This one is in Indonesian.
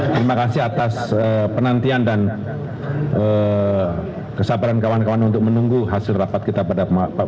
terima kasih atas penantian dan kesabaran kawan kawan untuk menunggu hasil rapat kita pada